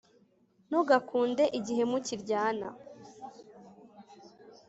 ntugakunde igihemu kiryana